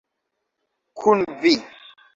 Kun vi.